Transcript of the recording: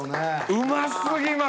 うま過ぎます！